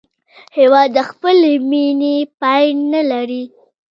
هېواد د خپلې مینې پای نه لري.